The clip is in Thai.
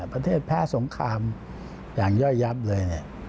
แพ้สงครามอย่างย่อยยับเลย